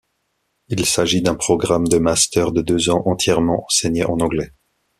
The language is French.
Il s’agit d’un programme de master de deux ans entièrement enseigné en anglais.